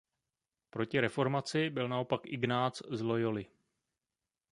Proti reformaci byl naopak Ignác z Loyoly.